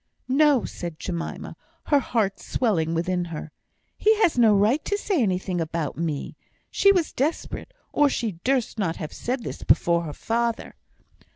"No!" said Jemima, her heart swelling within her. "He has no right to say anything about me." She was desperate, or she durst not have said this before her father.